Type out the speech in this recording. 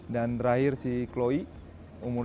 dan terakhir si chloe umur satu